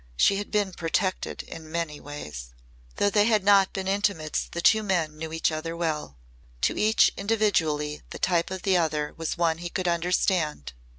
She had been protected in many ways. Though they had not been intimates the two men knew each other well. To each individually the type of the other was one he could understand.